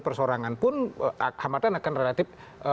perseorangan pun hamatan akan relatif